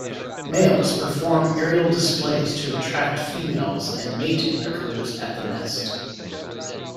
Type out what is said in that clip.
Males perform aerial displays to attract females and mating occurs at the nest.